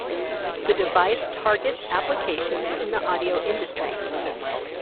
The device targets applications in the audio industry.